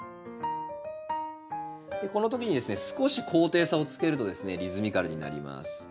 このときにですね少し高低差をつけるとリズミカルになります。